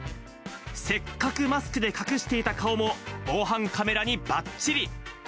せっかくマスクで隠していた顔も、防犯カメラにばっちり。